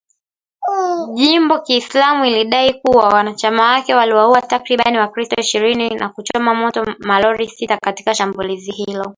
Jimbo Kiislamu ilidai kuwa wanachama wake waliwauwa takribani wakristo ishirini na kuchoma moto malori sita katika shambulizi hilo.